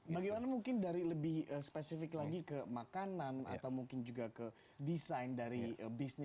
bagaimana mungkin dari lebih spesifik lagi ke makanan atau mungkin juga ke desain dari bisnis